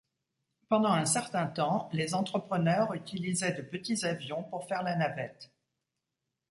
Pendant un certain temps, les entrepreneurs utilisaient de petits avions pour faire la navette.